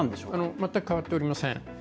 全く変わっておりません。